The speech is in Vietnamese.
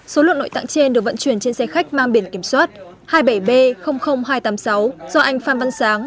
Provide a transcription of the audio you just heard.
số lượng nội tạng trên được vận chuyển trên xe khách mang biển kiểm soát hai mươi bảy b hai trăm tám mươi sáu do anh phan văn sáng